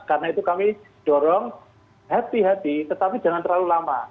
karena itu kami dorong hati hati tetapi jangan terlalu lama